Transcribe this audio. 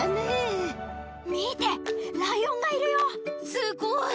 すごい！